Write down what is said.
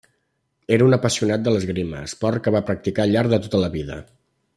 Era un apassionat de l'esgrima, esport que va practicar al llarg de tota la vida.